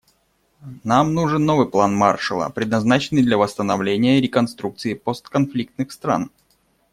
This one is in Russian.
Нам нужен новый план Маршалла, предназначенный для восстановления и реконструкции постконфликтных стран.